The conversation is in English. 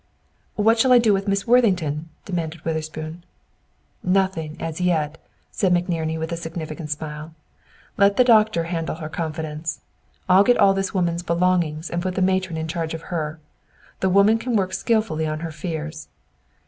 "What shall I do with Miss Worthington?" demanded Witherspoon. "Nothing, as yet," said McNerney, with a significant smile. "Let the doctor handle her confidence! I'll get all this woman's belongings and put the matron in charge of her. The woman can work skilfully on her fears.